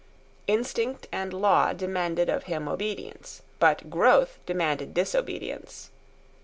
Instinct and law demanded of him obedience. But growth demanded disobedience.